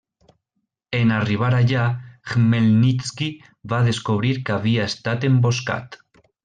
En arribar allà Khmelnitski va descobrir que havia estat emboscat.